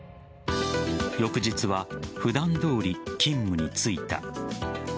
翌日は普段通り、勤務に就いた。